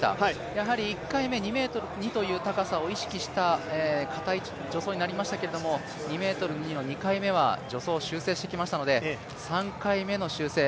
やはり１回目、２ｍ２という高さを意識した硬い助走になりましたけど２ｍ２の２回目は助走修正をしてきましたので３回目の修正。